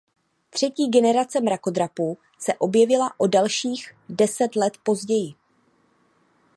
Třetí generace mrakodrapů se objevila o dalších deset let později.